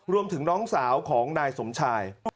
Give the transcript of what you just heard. รวมถึงน้องสาวของนายสมชาย